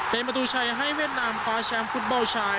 เป็นประตูชัยให้เวียดนามคว้าแชมป์ฟุตบอลชาย